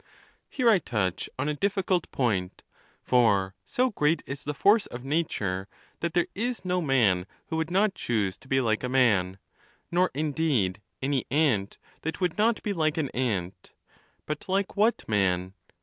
Hero I touch on a difi&cult point ; for so great is the force of nat ure that there is no man who would not choose to be like a man, nor, indeed, any ant that would not be like an ant. But like what man